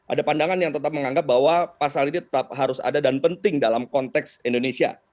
ada pandangan yang tetap menganggap bahwa pasal ini tetap harus ada dan penting dalam konteks indonesia